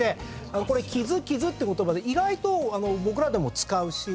これ瑕・疵って言葉で意外と僕らでも使うし。